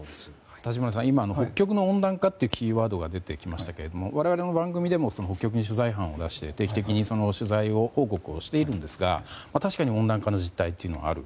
立花さん、北極の温暖化というキーワードが出てきましたが我々の番組でも北極に取材班を出して定期的に取材報告をしていますが確かに温暖化の実態というのがある。